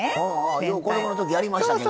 よう子供の時やりましたけど。